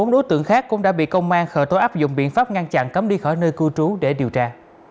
bốn đối tượng khác cũng đã bị công an khởi tố áp dụng biện pháp ngăn chặn cấm đi khỏi nơi cư trú để điều tra